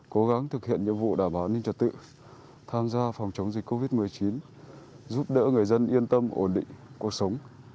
cố gắng thực hiện nhiệm vụ đảm bảo an ninh trật tự tham gia phòng chống dịch covid một mươi chín giúp đỡ người dân yên tâm ổn định cuộc sống